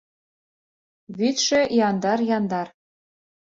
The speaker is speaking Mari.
Вӱдшӧ яндар-яндар.